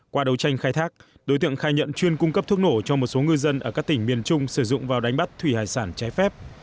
qua đấu tranh khai thác đối tượng khai nhận chuyên cung cấp thuốc nổ cho một số ngư dân ở các tỉnh miền trung sử dụng vào đánh bắt thủy hải sản trái phép